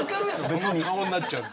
そんな顔になっちゃう。